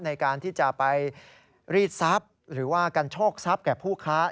ในการที่จะไปรีดทรัพย์หรือว่ากันโชคทรัพย์แก่ผู้ค้า